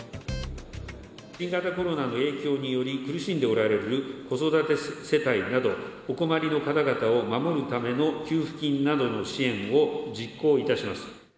新型コロナの影響により、苦しんでおられる子育て世帯など、お困りの方々を守るための給付金などの支援を実行いたします。